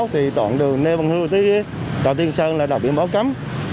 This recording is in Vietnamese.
thì toàn đường nê bằng hưu tới đảo tiên sơn là đạo biện báo cấm